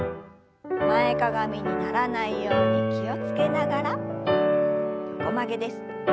前かがみにならないように気を付けながら横曲げです。